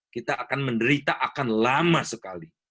kita akan menderita akan lama sekali